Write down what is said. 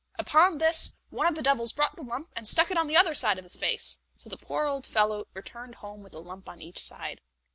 Upon this, one of the devils brought the lump, and stuck it on the other side of his face; so the poor old fellow returned home with a lump on each side.